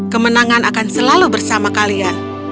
kemenangan akan selalu bersama kalian